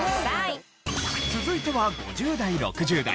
続いては５０代６０代。